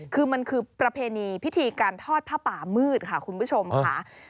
คือมันคือประเพณีพิธีการทอดผ้าป่ามืดค่ะคุณผู้ชมค่ะ